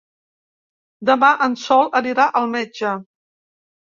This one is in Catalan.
Demà en Sol anirà al metge.